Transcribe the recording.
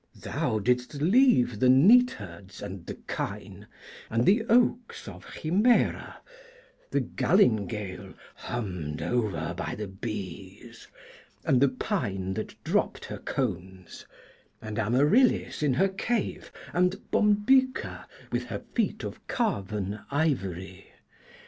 Thou didst leave the neat herds and the kine, and the oaks of Himera, the galingale hummed over by the bees, and the pine that dropped her cones, and Amaryllis in her cave, and Bombyca with her feet of carven ivory.